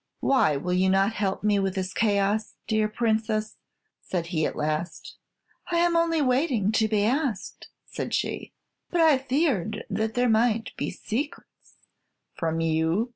"Why will you not help me with this chaos, dear Princess?" said he, at last. "I am only waiting to be asked," said she; "but I feared that there might be secrets " "From you?"